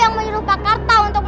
jangan lupa untuk berikan duit